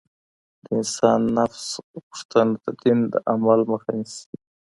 د انسان نفس غوښتنې د دين د عمل مخه نيسي.